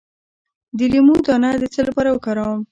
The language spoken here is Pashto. د لیمو دانه د څه لپاره وکاروم؟